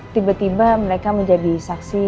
tiba tiba mereka menjadi saksi